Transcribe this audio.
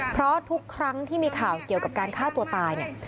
เพราะทุกครั้งที่มีข่าวเกี่ยวกับการฆ่าตัวตายเนี่ย